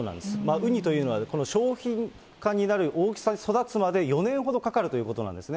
ウニというのは、商品化になる大きさに育つまで４年ほどかかるということなんですね。